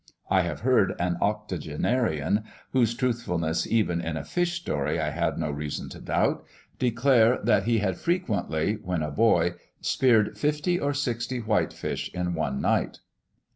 I have heard an octogenarian, whose truthfulness even in a fish story I had no reason to doubt, declare that he had frequently, when a boy, speared fifty or sixty whitefish in one night.